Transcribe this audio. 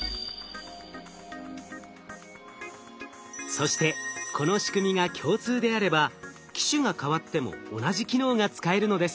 そしてこの仕組みが共通であれば機種が変わっても同じ機能が使えるのです。